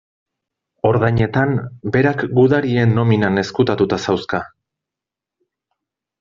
Ordainetan, berak gudarien nominan ezkutatuta zauzka.